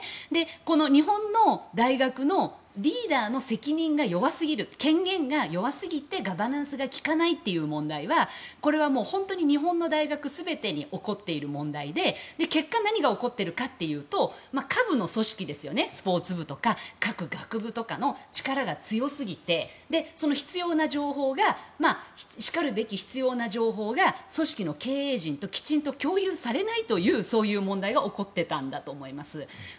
この日本の大学のリーダーの責任、権限が弱すぎてガバナンスが利かないという問題は、日本の大学全てに起こっている問題で結果、何が起こってるかというと下部の組織のスポーツ部とか各学部の力が強すぎてしかるべき必要な情報が組織の経営陣ときちっと共有されてないという問題が起こっていたんだと思います。